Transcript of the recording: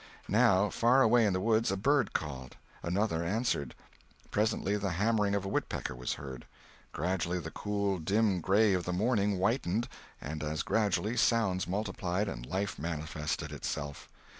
Now, far away in the woods a bird called; another answered; presently the hammering of a woodpecker was heard. Gradually the cool dim gray of the morning whitened, and as gradually sounds multiplied and life manifested itself.